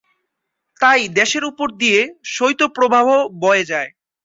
তাই দেশের উপর দিয়ে শৈতপ্রবাহ বয়ে যায়।